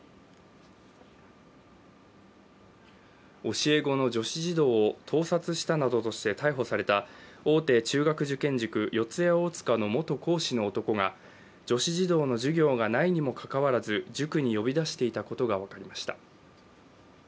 教え子の女子児童を盗撮したなどとして逮捕された大手中学受験塾、四谷大塚の元講師の男が女子児童の授業がないにもかかわらず塾に呼び出していたことが分かりました。